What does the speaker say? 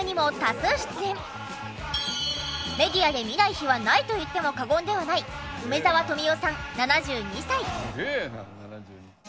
メディアで見ない日はないと言っても過言ではない梅沢富美男さん７２歳。